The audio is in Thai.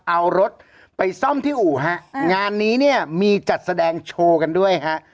เอารถไปซ่อมที่อู่ฮะงานนี้เนี่ยมีจัดแสดงโชว์กันด้วยฮะ